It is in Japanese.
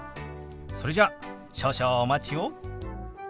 それじゃ少々お待ちを。